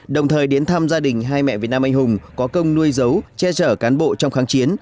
đồng thời đến thăm gia đình hai mẹ việt nam anh hùng có công nuôi dấu che chở cán bộ trong kháng chiến